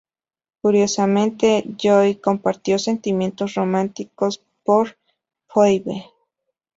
Curiosamente, Joey compartió sentimientos románticos por Phoebe.